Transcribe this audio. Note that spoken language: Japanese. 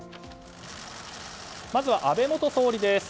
まずは安倍元総理です。